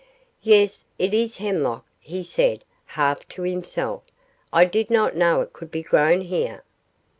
'Yes, it is hemlock,' he said, half to himself; 'I did not know it could be grown here.